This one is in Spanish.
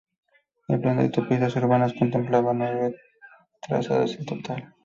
El Plan de autopistas urbanas contemplaba nueve trazados en total.